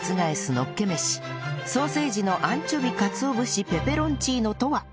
のっけ飯ソーセージのアンチョビかつお節ペペロンチーノとは？